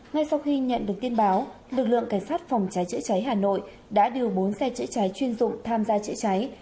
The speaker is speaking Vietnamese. ngay sau khi nhận được tin báo lực lượng cảnh sát phòng cháy chữa cháy hà nội đã điều bốn xe chữa cháy chuyên dụng tham gia chữa cháy